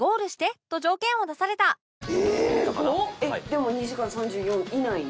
でも２時間３４以内で？